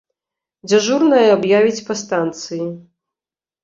Дзяжурная аб'явіць па станцыі.